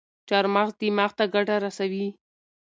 چارمغز دماغ ته ګټه رسوي.